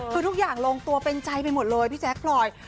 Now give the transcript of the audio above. คือทุกอย่างลงตัวเป็นใจไปหมดเลยพี่แจ๊คพลอย